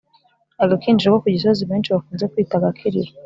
Agakinjiro ko ku gisozi benshi bakunze kwita agakiriro,